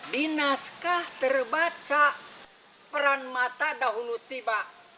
di naskah terbaca peran mata dahulu tiba